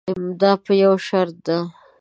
دا په یوه شرط ده.